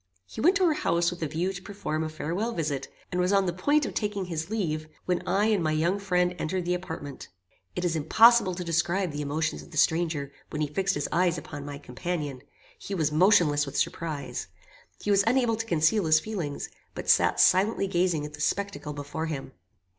He went to her house with a view to perform a farewell visit, and was on the point of taking his leave, when I and my young friend entered the apartment. It is impossible to describe the emotions of the stranger, when he fixed his eyes upon my companion. He was motionless with surprise. He was unable to conceal his feelings, but sat silently gazing at the spectacle before him.